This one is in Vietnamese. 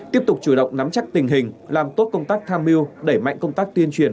tiếp tục chủ động nắm chắc tình hình làm tốt công tác tham mưu đẩy mạnh công tác tuyên truyền